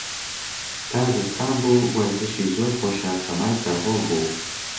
تا زستان بوو، وەرزشی زۆر خۆشیان سەمای سەر سەهۆڵ بوو